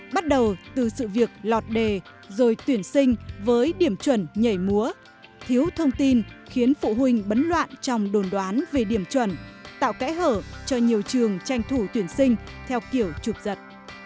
bắt đầu từ sự việc lọt đề rồi tuyển sinh với điểm chuẩn nhảy múa thiếu thông tin khiến phụ huynh bấn loạn trong đồn đoán về điểm chuẩn tạo kẽ hở cho nhiều trường tranh thủ tuyển sinh theo kiểu trục giật